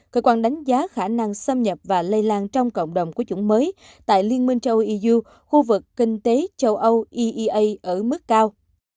cơ quan đánh giá khả năng xâm nhập và lây lan trong cộng đồng của chủng mới tại liên minh châu iuu khu vực kinh tế châu âu eea ở mức cao